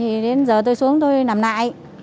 thì đến giờ tôi xuống tôi nằm lại